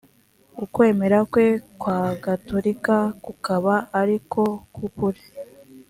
ukwemera kwe kwa gatolika kukaba ari ko k ukuri